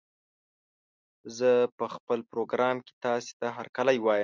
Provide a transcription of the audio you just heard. زه په خپل پروګرام کې تاسې ته هرکلی وايم